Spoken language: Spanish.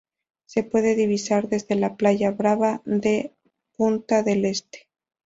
Se puede divisar desde la Playa Brava de Punta del Este.